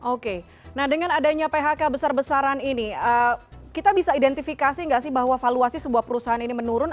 oke nah dengan adanya phk besar besaran ini kita bisa identifikasi nggak sih bahwa valuasi sebuah perusahaan ini menurun